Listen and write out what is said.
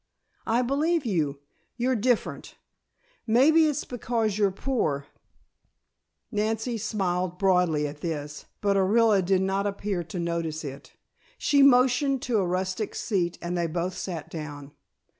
"I believe you. You're different. Maybe it's because you're poor " Nancy smiled broadly at this, but Orilla did not appear to notice it. She motioned to a rustic seat and they both sat down.